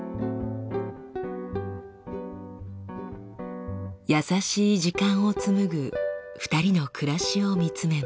優しい時間を紡ぐ２人の暮らしを見つめます。